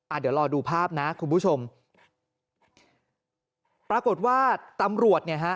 เดี๋ยวรอดูภาพนะคุณผู้ชมปรากฏว่าตำรวจเนี่ยฮะ